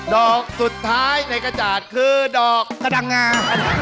ดอกสุดท้ายในกระจาดคือดอกกระดังงา